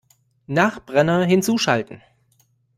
Nachbrenner hinzuschalten!